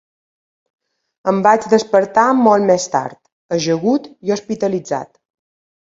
Em vaig despertar molt més tard, ajagut i hospitalitzat.